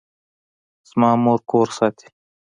زما مور کور ساتي